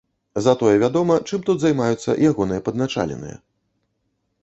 Затое вядома, чым тут займаюцца ягоныя падначаленыя.